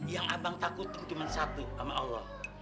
yang abang takut cuma satu sama allah